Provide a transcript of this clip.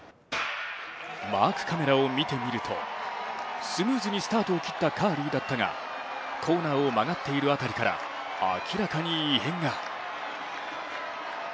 マークカメラを見てみるとスムーズにスタートを切ったカーリーだったがコーナーを曲がっている辺りから明らかに異変が。